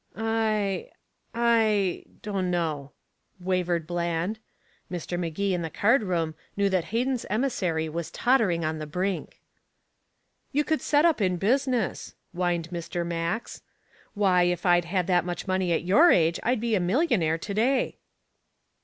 "I I don't know " wavered Bland. Mr. Magee, in the card room, knew that Hayden's emissary was tottering on the brink. "You could set up in business," whined Mr. Max. "Why, if I'd had that much money at your age, I'd be a millionaire to day."